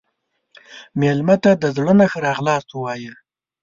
مېلمه ته د زړه نه ښه راغلاست ووایه.